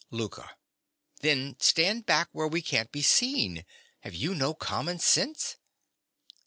LOUKA. Then stand back where we can't be seen. Have you no common sense?